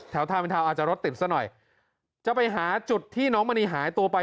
ทางเป็นทาวน์อาจจะรถติดซะหน่อยจะไปหาจุดที่น้องมณีหายตัวไป